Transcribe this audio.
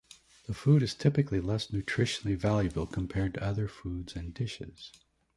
The food is typically less nutritionally valuable compared to other foods and dishes.